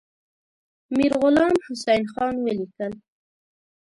میرغلام حسین خان ولیکل.